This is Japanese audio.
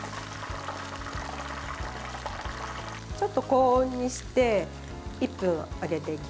ちょっと高温にして１分揚げていきます。